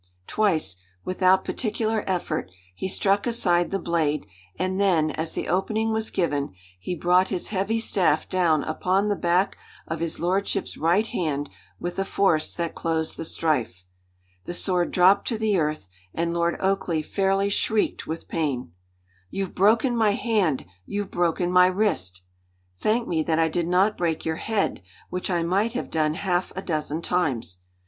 Twice, without particular effort, he struck aside the blade, and then, as the opening was given, he brought his heavy staff down upon the back of his lordship's right hand with a force that closed the strife. The sword dropped to the earth, and Lord Oakleigh fairly shrieked with pain. "You've broken my hand! You've broken my wrist!" "Thank me that I did not break your head, which I might have done half a dozen times!"